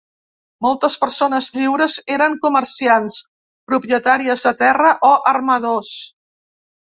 Moltes persones lliures eren comerciants, propietàries de terra o armadors.